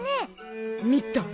見た。